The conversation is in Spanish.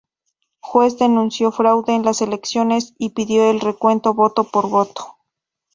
Juez denunció fraude en las elecciones y pidió el recuento voto por voto.